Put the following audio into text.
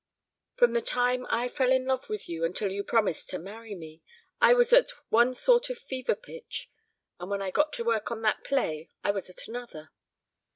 From the time I fell in love with you until you promised to marry me, I was at one sort of fever pitch, and when I got to work on that play I was at another.